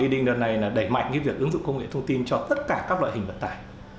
quy định lần này là đẩy mạnh cái việc ứng dụng công nghệ thông tin cho tất cả các loại hình vận tải